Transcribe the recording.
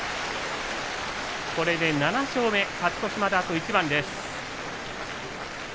これで７勝目、勝ち越しまであと一番です。